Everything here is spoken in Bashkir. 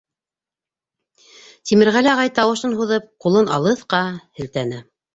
— Тимерғәле ағай тауышын һуҙып, ҡулын алыҫҡа һелтәне.